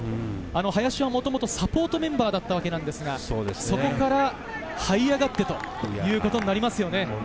林はもともとサポートメンバーでしたが、そこから這い上がってということになりますね。